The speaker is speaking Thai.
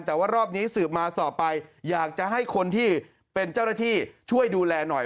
แต่ว่ารอบนี้สืบมาสอบไปอยากจะให้คนที่เป็นเจ้าหน้าที่ช่วยดูแลหน่อย